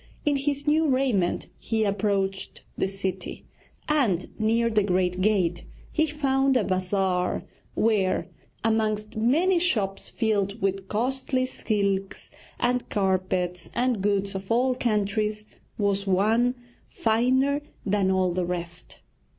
In his new raiment he approached the city, and near the great gate he found a bazaar where, amongst many shops filled with costly silks, and carpets, and goods of all countries, was one finer than all the rest.